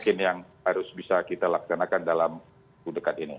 mungkin yang harus bisa kita laksanakan dalam dekat ini